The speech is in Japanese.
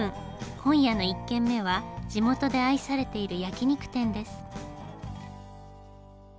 今夜の１軒目は地元で愛されている焼き肉店です。